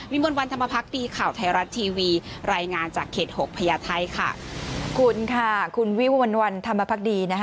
วิววันวันธรรมพักดีข่าวไทยรัฐทีวีรายงานจากเขต๖พญาไทยค่ะ